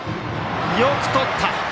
よくとった！